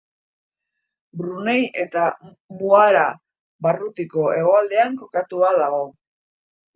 Brunei eta Muara barrutiko hegoaldean kokatua dago.